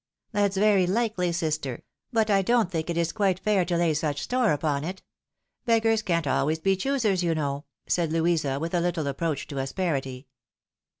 " That's very likely, sister ; but I don't think it is quite fair to lay such store upon it. Beggars can't always be choosers, you know," said Louisa, with a little approach to asperity.